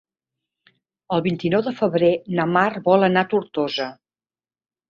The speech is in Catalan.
El vint-i-nou de febrer na Mar vol anar a Tortosa.